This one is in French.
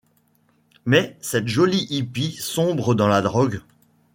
Mais cette jolie hippie sombre dans la drogue.